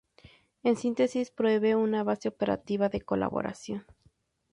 En síntesis, provee una base operativa de colaboración.